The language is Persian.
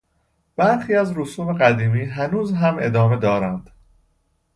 برخی از رسوم قدیمی هنوز هم ادامه دارند.